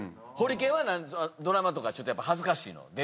ホリケンはドラマとかやっぱ恥ずかしいの？